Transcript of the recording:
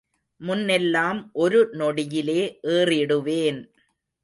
முன்னெல்லாம் ஒரு நொடியிலே ஏறிடுவேன்.